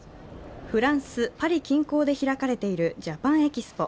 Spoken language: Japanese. フランス・パリ近郊で開かれているジャパンエキスポ。